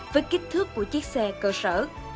với kích thước của chiếc xe cơ sở